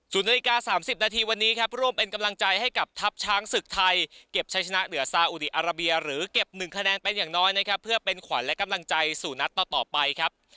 นาฬิกา๓๐นาทีวันนี้ครับร่วมเป็นกำลังใจให้กับทัพช้างศึกไทยเก็บใช้ชนะเหนือซาอุดีอาราเบียหรือเก็บ๑คะแนนเป็นอย่างน้อยนะครับเพื่อเป็นขวัญและกำลังใจสู่นัดต่อไปครับ